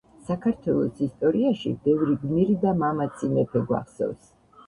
საქართველოს ისტორიაში ბევრი გმირი და მამაცი მეფე გვახსოვს.